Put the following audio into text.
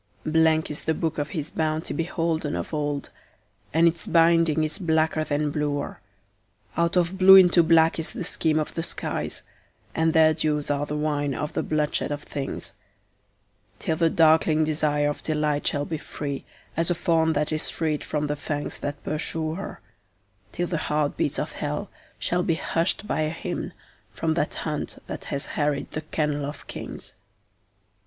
Blank is the book of his bounty beholden of old, and its binding is blacker than bluer; Out of blue into black is the scheme of the skies, and their dews are the wine of the bloodshed of things; Till the darkling desire of delight shall be free as a fawn that is freed from the fangs that pursue her, Till the heartbeats of hell shall be hushed by a hymn from that hunt that has harried the kennel of kings.